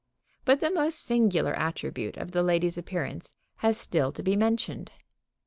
But the most singular attribute of the lady's appearance has still to be mentioned.